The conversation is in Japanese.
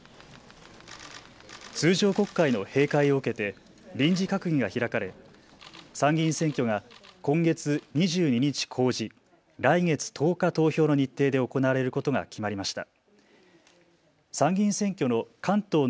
通常国会の閉会を受けて臨時閣議が開かれ参議院選挙が今月２２日公示、来月１０日投票の日程で行われることが決まりました。